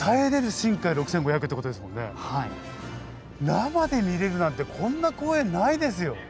生で見れるなんてこんな光栄ないですよ。